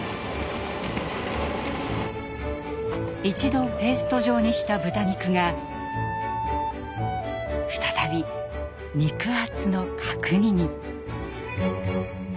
一度ペースト状にした豚肉が再び肉厚の角煮に！